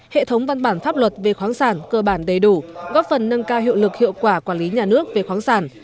hệ thống văn bản pháp luật về khoáng sản cơ bản đầy đủ góp phần nâng cao hiệu lực hiệu quả quản lý nhà nước về khoáng sản